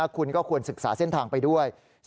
คุณก็ควรศึกษาเส้นทางไปด้วย